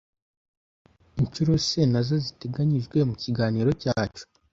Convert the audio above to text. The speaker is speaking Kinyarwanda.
Incyuro se na zo ziteganyijwe mu kiganiro cyacu